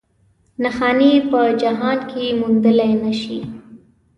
نښانې یې په جهان کې موندلی نه شي.